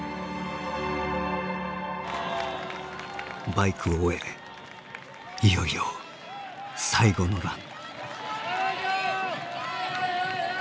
バイクを終えいよいよ最後のラン。